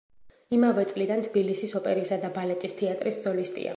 იმავე წლიდან თბილისის ოპერისა და ბალეტის თეატრის სოლისტია.